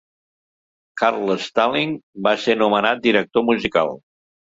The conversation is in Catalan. Carl Stalling va ser nomenat director musical.